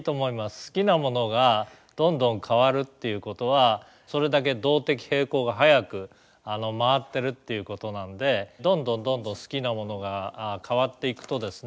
好きなものがどんどん変わるっていうことはそれだけ動的平衡が早く回ってるっていうことなんでどんどんどんどん好きなものが変わっていくとですね